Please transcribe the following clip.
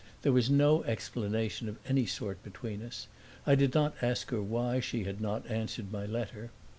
There was no explanation of any sort between us; I did not ask her why she had not answered my letter.